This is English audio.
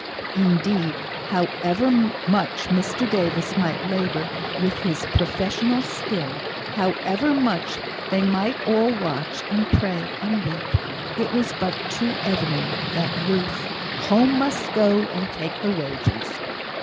Indeed, however much Mr Davis might labour with all his professional skill however much they might all watch and pray and weep it was but too evident that Ruth "home must go, and take her wages."